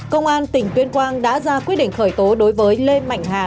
công an tỉnh tuyên quang đã ra quyết định khởi tố đối với lê mạnh hà